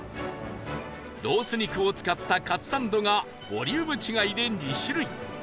ロース肉を使ったかつサンドがボリューム違いで２種類